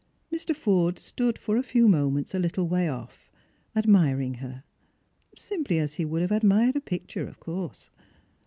Mr. Forde stood for a few moments a little way off", admiring her — simply as he would have admired a picture, of course.